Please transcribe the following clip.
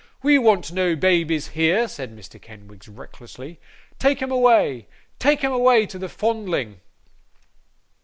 We want no babies here,' said Mr. Kenwigs recklessly. 'Take 'em away, take 'em away to the Fondling!